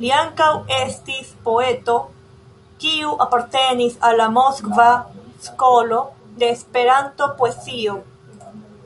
Li ankaŭ estis poeto, kiu apartenis al la Moskva skolo de Esperanto-poezio.